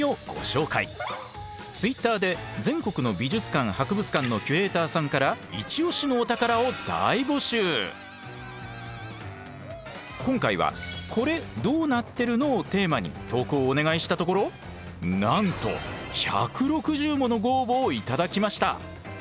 ツイッターで全国の美術館・博物館の今回は「コレどうなってるの」をテーマに投稿をお願いしたところなんと１６０ものご応募を頂きました。